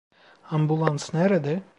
Ambulans nerede?